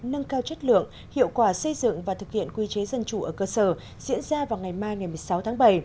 nâng cao chất lượng hiệu quả xây dựng và thực hiện quy chế dân chủ ở cơ sở diễn ra vào ngày mai ngày một mươi sáu tháng bảy